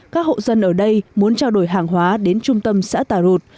các hộ dân ở đây muốn trao đổi hàng hóa đến trung tâm xã tà rụt